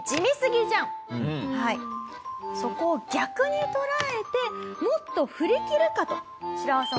そこを逆に捉えてもっと振り切るか！とシラワさん